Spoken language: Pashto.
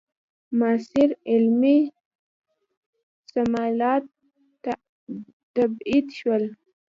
معاصر علمي تمایلات تبعید شول.